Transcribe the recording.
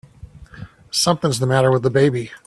Something's the matter with the baby!